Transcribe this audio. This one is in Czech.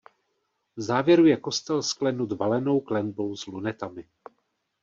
V závěru je kostel sklenut valenou klenbou s lunetami.